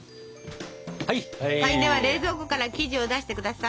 では冷蔵庫から生地を出してください。